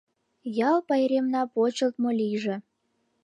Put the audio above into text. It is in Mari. Ял пайремна почылтмо лийже!